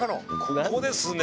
ここですね。